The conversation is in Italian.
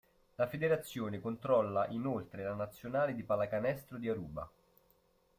La federazione controlla inoltre la nazionale di pallacanestro di Aruba.